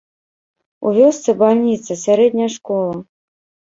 У вёсцы бальніца, сярэдняя школа.